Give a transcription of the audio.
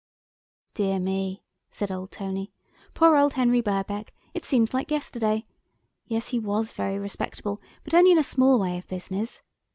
"Dear me," said old Tony. "Poor old Henry Birkbeck, it seems like yesterday; yes, he was very respectable, but only in a small way of business.